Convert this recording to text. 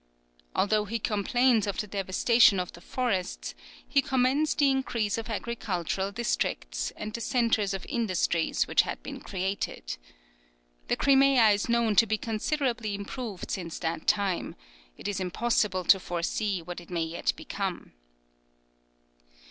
Although he complains of the devastation of the forests, he commends the increase of agricultural districts, and the centres of industries which had been created. The Crimea is known to be considerably improved since that time it is impossible to foresee what it may yet become.